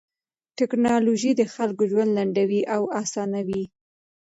ټکنالوژي د خلکو ژوند لنډوي او اسانوي.